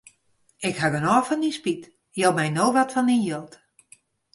Ik haw genôch fan dyn spyt, jou my no wat fan dyn jild.